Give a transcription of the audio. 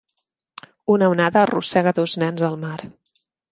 Una onada arrossega dos nens al mar